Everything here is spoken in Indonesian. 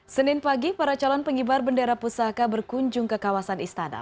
senin pagi para calon pengibar bendera pusaka berkunjung ke kawasan istana